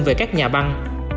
về các nhà băng